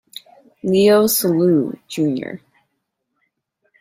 Leo Soileau, J.